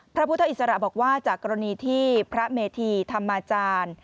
พระพุทธอิสระบอกว่าจากกรณีที่พระเมธีธรรมาจารย์